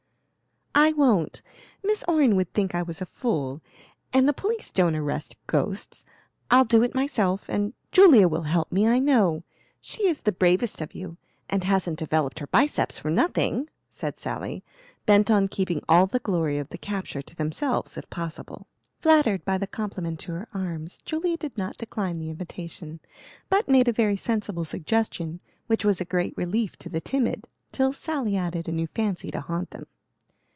"I won't! Miss Orne would think I was a fool, and the police don't arrest ghosts. I'll do it myself, and Julia will help me, I know. She is the bravest of you, and hasn't developed her biceps for nothing," said Sally, bent on keeping all the glory of the capture to themselves if possible. Flattered by the compliment to her arms, Julia did not decline the invitation, but made a very sensible suggestion, which was a great relief to the timid, till Sally added a new fancy to haunt them.